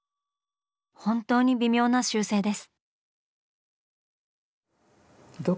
本当に微妙な修正です。